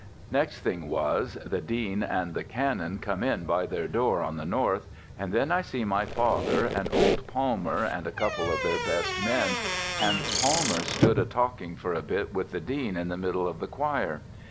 "Next thing was, the Dean and the Canon come in by their door on the north, and then I see my father, and old Palmer, and a couple of their best men, and Palmer stood a talking for a bit with the Dean in the middle of the choir.